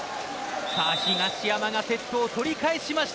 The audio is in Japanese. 東山がセットを取り返しました。